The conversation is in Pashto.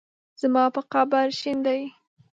زما پر قبر شیندي